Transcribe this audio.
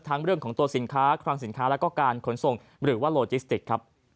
ทั้งเรื่องของตัวสินค้าความสินค้าและการขนส่งหรือว่าโลจิสติก